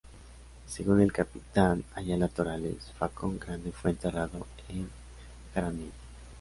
Según el capitán Ayala Torales, Facón Grande fue enterrado en Jaramillo.